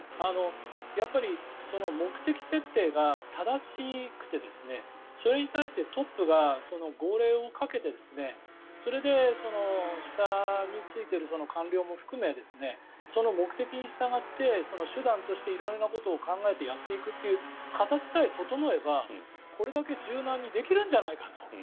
やっぱり目的設定が正しくてそれに対してトップが号令をかけてそれで下についている官僚も含めその目的に従って手段として色々なことを考えてやっていくという形さえ整えばこれだけ柔軟にできるんじゃないかと。